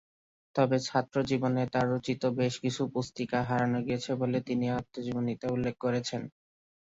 তবে ছাত্রজীবনে তার রচিত বেশ কিছু পুস্তিকা হারানো গিয়েছে বলে তিনি আত্মজীবনীতে উল্লেখ করেছেন।